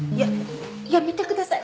やめてください。